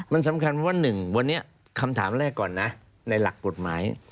มันสำคัญเพราะว่าหนึ่งวันนี้คำถามแรกก่อนนะในหลักกฎหมาย